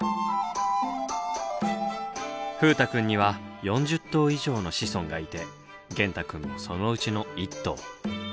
風太くんには４０頭以上の子孫がいて源太くんもそのうちの１頭。